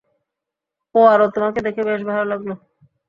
Poirot, তোমাকে দেখে বেশ ভালো লাগল!